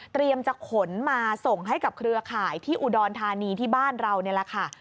จะขนมาส่งให้กับเครือข่ายที่อุดรธานีที่บ้านเรานี่แหละค่ะ